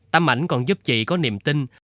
tâm ảnh còn giúp chị có niềm tin